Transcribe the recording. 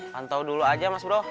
pantau dulu aja mas bro